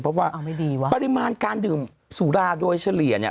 เพราะว่าปริมาณการดื่มสุราโดยเฉลี่ยเนี่ย